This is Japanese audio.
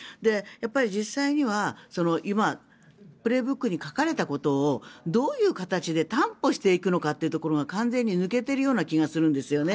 実際には今、「プレーブック」に書かれたことをどういう形で担保していくのかというところが完全に抜けているような気がするんですよね。